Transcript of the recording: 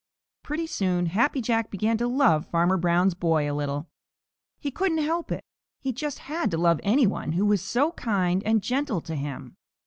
Pretty soon Happy Jack began to love Farmer Brown's boy a little. He couldn't help it. He just had to love any one who was so kind and gentle to him.